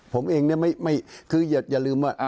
ผมเองเนี่ยคืออย่าลืมว่า